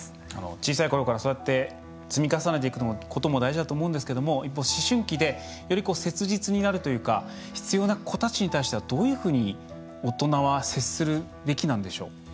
小さいころからそうやって積み重ねていくことも大事だと思うんですけども一方、思春期でより切実になるというか必要な子たちに対してはどういうふうに大人は接するべきなんでしょう？